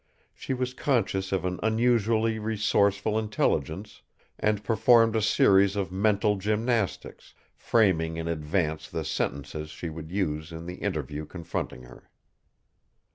She was conscious of an unusually resourceful intelligence, and performed a series of mental gymnastics, framing in advance the sentences she would use in the interview confronting her.